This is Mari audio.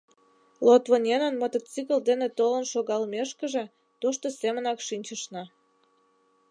Лотвоненын мотоцикл дене толын шогалмешкыже тошто семынак шинчышна.